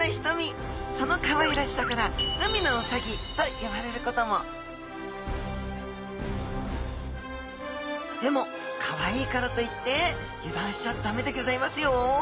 そのかわいらしさから海のウサギと呼ばれることもでもかわいいからといって油断しちゃダメでギョざいますよ。